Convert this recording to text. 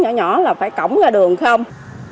cái nhỏ là phải cổng ra đường không